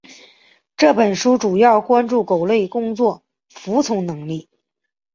这本书主要关注狗类工作服从能力。